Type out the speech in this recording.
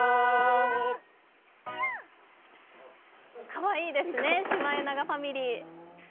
かわいいですね、シマエナガファミリー。